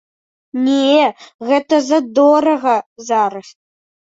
Не, гэта задорага зараз.